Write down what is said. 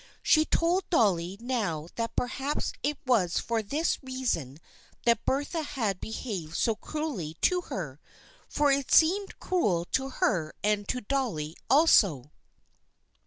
She told Dolly now that perhaps it was for this reason that Bertha had behaved so cruelly to her — for it seemed cruel to her and to Dolly also.